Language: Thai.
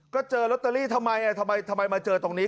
ก็เจอลอตเตอรี่ทำไมทำไมมาเจอตรงนี้